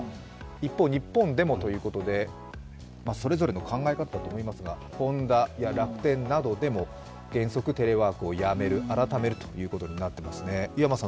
一方、日本でもということで、それぞれの考え方だと思いますがホンダや楽天なとでも原則テレワークをやめる、改めるということになってますね。